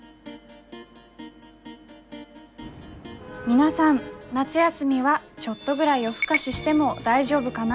皆さん夏休みはちょっとぐらい夜更かししても大丈夫かな？